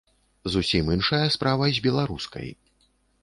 Зусім іншая справа з беларускай.